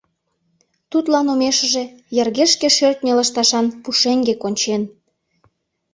Тудлан омешыже йыргешке шӧртньӧ лышташан пушеҥге кончен.